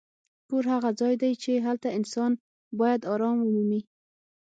کور هغه ځای دی چې هلته انسان باید ارام ومومي.